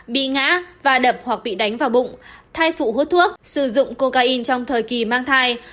bị ngã và đập hoặc bị đánh vào bụng thai phụ hút thuốc sử dụng cocaine trong thời kỳ mang thai